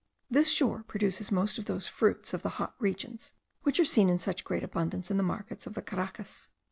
This shore produces most of those fruits of the hot regions, which are seen in such great abundance in the markets of the Caracas.